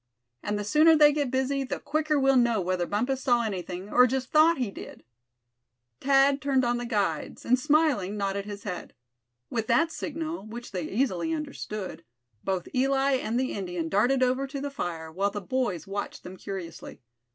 And the sooner they get busy, the quicker we'll know whether Bumpus saw anything, or just thought he did." Thad turned on the guides, and smiling, nodded his head. With that signal, which they easily understood, both Eli and the Indian darted over to the fire; while the boys watched them curiously.